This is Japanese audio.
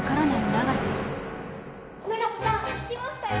永瀬さん聞きましたよ。